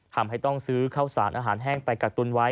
ทำให้ต้องซื้อข้าวสารอาหารแห้งไปกักตุ้นไว้